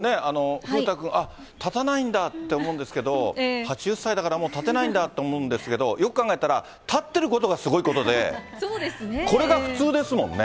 これ、後呂さんね、風太くん、あっ、立たないんだって思うんですけど、８０歳だからもう立てないんだって思うんですけど、よく考えたら、立ってることがすごいことで、これが普通ですもんね。